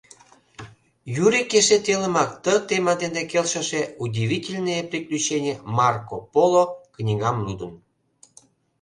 Юрик эше телымак ты тема дене келшыше «Удивительные приключения Марко Поло» книгам лудын.